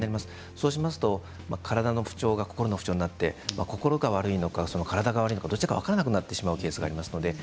そうしますと体の不調が心の不調になって心が悪いのか、体が悪いのかどちらか分からなくなってしまうケースがあります。